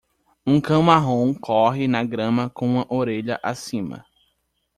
Um cão marrom corre na grama com uma orelha acima.